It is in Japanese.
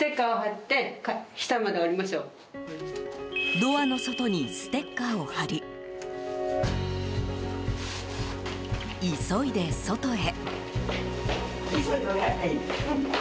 ドアの外にステッカーを貼り急いで外へ。